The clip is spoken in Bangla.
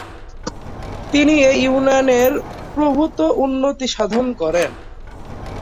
তিনি এই ইউনিয়নের প্রভূত উন্নতি সাধন করেন।